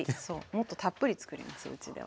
もっとたっぷりつくりますうちでは。